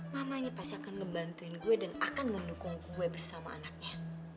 mama ini pasti akan membantuin gue dan akan mendukung gue bersama anaknya